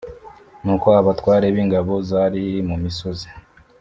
Nuko abatware b ingabo zari mu misozi